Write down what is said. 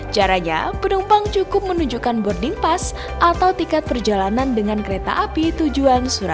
caranya penumpang cukup menunjukkan boarding pass atau tiket perjalanan dengan kereta api tujuan surabaya